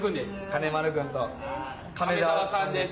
金丸君と亀澤さんです。